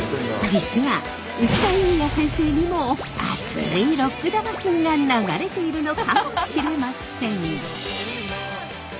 実は内田裕也先生にも熱いロック魂が流れているのかもしれません。